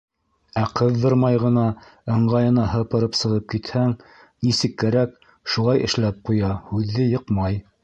Ә ҡыҙҙырмай ғына, ыңғайына һыпырып сығып китһәң, нисек кәрәк - шулай эшләп ҡуя, һүҙҙе йыҡмай.